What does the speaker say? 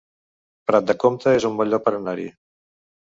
Prat de Comte es un bon lloc per anar-hi